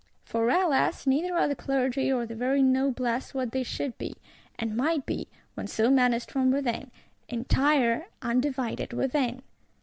For, alas, neither are the Clergy, or the very Noblesse what they should be; and might be, when so menaced from without: entire, undivided within.